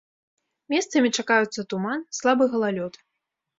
Месцамі чакаюцца туман, слабы галалёд.